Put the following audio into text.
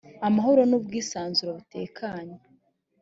amahoro nubwisanzure butekanye.